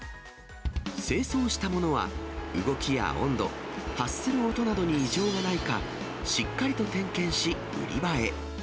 清掃したものは動きや温度、発する音などに異常がないかしっかりと点検し、売り場へ。